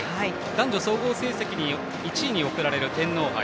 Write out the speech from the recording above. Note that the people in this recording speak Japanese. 男女総合成績１位に贈られる天皇杯。